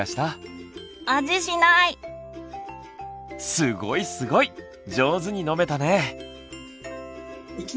すごいすごい上手に飲めたね！